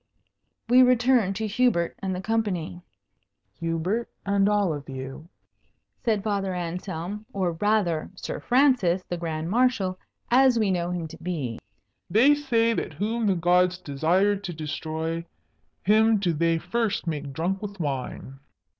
We return to Hubert and the company. "Hubert and all of you," said Father Anselm, or rather Sir Francis, the Grand Marshal, as we know him to be, "they say that whom the gods desire to destroy, him do they first make drunk with wine."